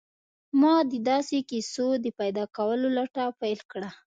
ما د داسې کیسو د پیدا کولو لټه پیل کړه